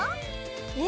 え？